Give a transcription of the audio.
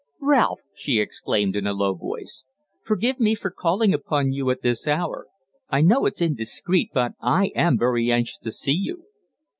"Ralph," she exclaimed in a low voice, "forgive me for calling upon you at this hour. I know it's indiscreet, but I am very anxious to see you."